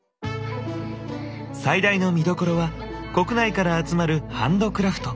最大の見どころは国内から集まるハンドクラフト。